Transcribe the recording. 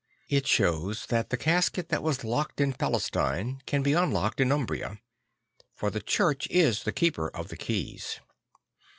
It shows that the casket tha t was locked in Palestine can be unlocked in Umbria; for the Church is the keeper of the keys.